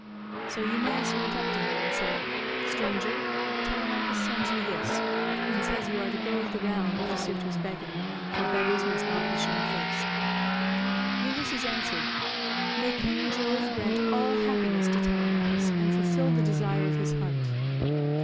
So Eumaeus went up to him and said, "Stranger, Telemachus sends you this, and says you are to go the round of the suitors begging, for beggars must not be shamefaced." Ulysses answered, "May King Jove grant all happiness to Telemachus, and fulfil the desire of his heart."